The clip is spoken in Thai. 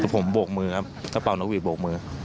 ผมโบกมือครับแล้วเปล่านักบีบโบกมือ